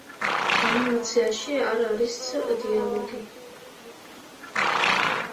ანიმაციაში არ არის დიალოგი.